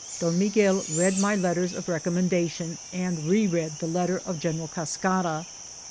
Don Miguel read my letters of recommendation, and re read the lett&t of Oeneral Cascara.